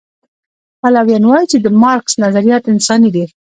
پلویان وایي چې د مارکس نظریات انساني دي.